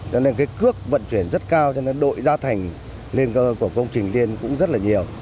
cho nên cái cước vận chuyển rất cao cho nên đội gia thành của công trình liên cũng rất là nhiều